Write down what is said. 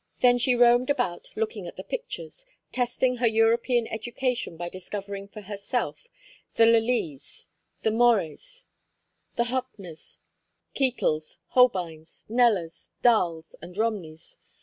Then she roamed about looking at the pictures, testing her European education by discovering for herself the Lelys and Mores, the Hoppners, Ketels, Holbeins, Knellers, Dahls, and Romneys.